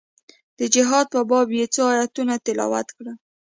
د جهاد په باب يې څو ايتونه تلاوت کړل.